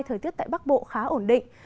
thời tiết tại bắc bộ khá ổn định